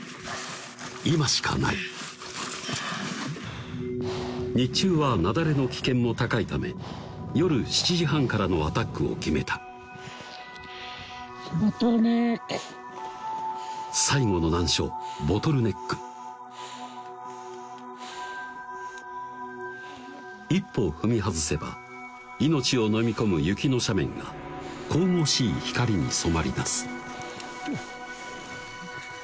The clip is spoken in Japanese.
今しかない日中は雪崩の危険も高いため夜７時半からのアタックを決めたボトルネック最後の難所・ボトルネック一歩踏み外せば命を飲み込む雪の斜面が神々しい光に染まりだす